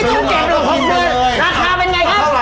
เก็บแล้วครบเพื่อนราคาเป็นไงครับ